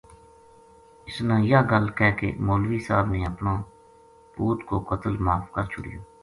اس نا یاہ گل کہہ کے مولوی صاحب نے اپنا پُوت کو قتل معاف کر چھُڑیو